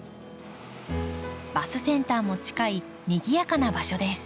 バスセンターも近いにぎやかな場所です。